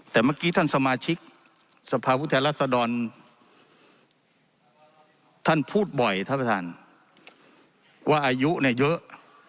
แต่เมื่อกี้ท่านสมาชิกสภาพุทธแทนรัศดรท่านพูดบ่อยท่านประธานว่าอายุเนี่ยเยอะ